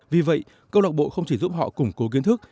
vì vậy câu lạc bộ không chỉ giúp họ củng cố kiến thức